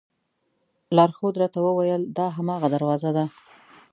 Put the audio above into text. لارښود راته وویل دا هماغه دروازه ده.